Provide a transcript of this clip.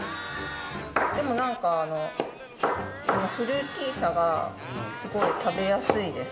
でもなんかこのフルーティーさがすごい食べやすいです。